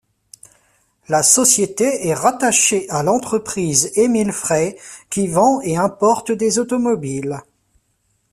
La société est rattachée à l'entreprise Emil Frey qui vend et importe des automobiles.